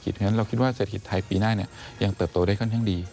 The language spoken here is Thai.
เพราะฉะนั้นเราคิดว่าเศรษฐกิจไทยปีหน้ายังเติบโตได้ค่อนข้างดี